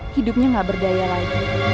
hidupnya gak berdaya lagi